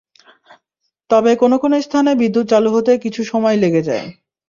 তবে কোনো কোনো স্থানে বিদ্যুৎ চালু হতে কিছু সময় লেগে যায়।